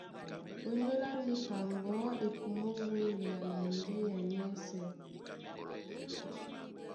Ónyólá níka ŋgɔ̌ e kumó wúŋgea na ŋgínya nyɛ́sɛ̄.